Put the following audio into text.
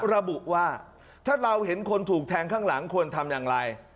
ระบุว่าถ้าเราเห็นคนถูกแทงข้างหลังควรทำอย่างไร